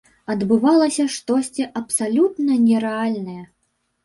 Адбывалася штосьці абсалютна нерэальнае!